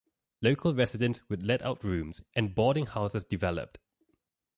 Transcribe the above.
Local residents would let out rooms, and boarding houses developed.